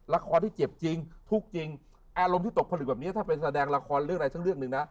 ละครที่เจ็บจริงทุกข์จริงอารมณ์ที่ตกผลึกแบบนี้ถ้าเป็นแสดงละครเรื่องใดทั้งเรื่องหนึ่งนะ